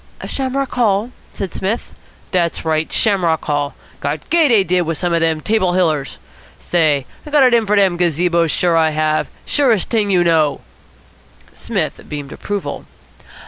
"Shamrock Hall?" said Psmith. "Dat's right. Shamrock Hall. Got gay, dey did, wit some of de Table Hillers. Say, I got it in for dem gazebos, sure I have. Surest t'ing you know." Psmith beamed approval.